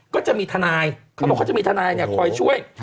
ก็จะมีทนายเขาบอกเขามีทนายช่วย